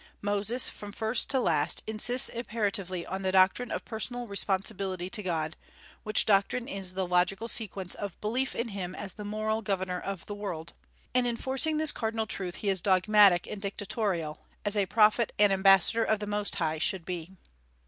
Moses, from first to last, insists imperatively on the doctrine of personal responsibility to God, which doctrine is the logical sequence of belief in Him as the moral governor of the world. And in enforcing this cardinal truth he is dogmatic and dictatorial, as a prophet and ambassador of the Most High should be.